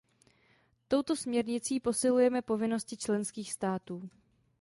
Touto směrnicí posilujeme povinnosti členských států.